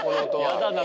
やだな